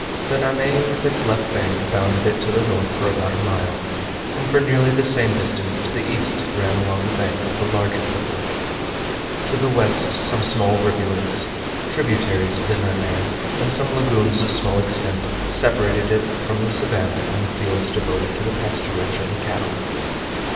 The Nanay with its left bank bounded it to the north for about a mile, and for nearly the same distance to the east it ran along the bank of the larger river. To the west some small rivulets, tributaries of the Nanay, and some lagoons of small extent, separated it from the savannah and the fields devoted to the pasturage of the cattle.